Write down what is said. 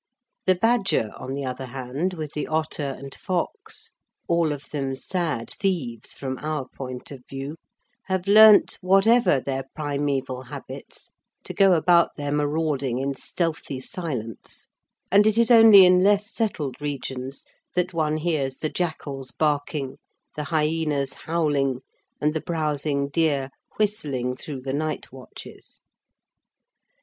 The badger, on the other hand, with the otter and fox all of them sad thieves from our point of view have learnt, whatever their primeval habits, to go about their marauding in stealthy silence; and it is only in less settled regions that one hears the jackals barking, the hyænas howling, and the browsing deer whistling through the night watches.